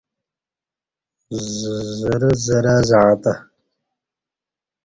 زرہ زرا زعݩتہ